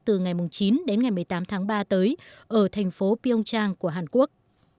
từ ngày chín đến ngày một mươi tám tháng ba tới ở thành phố pyeongchang của hàn quốc